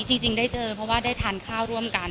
จริงได้เจอเพราะว่าได้ทานข้าวร่วมกัน